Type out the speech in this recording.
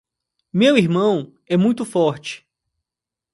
Meu irmão é muito forte.